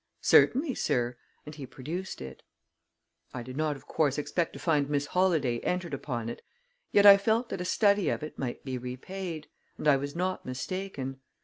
"Certainly, sir," and he produced it. I did not, of course, expect to find Miss Holladay entered upon it, yet I felt that a study of it might be repaid; and I was not mistaken.